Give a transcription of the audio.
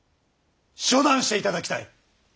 処断していただきたい！